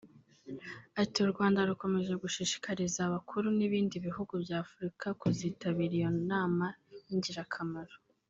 Ati “U Rwanda rukomeje gushishikariza abakuru b’ibindi bihugu by’Afurika kuzitabira iyo nama y’ingirakamaro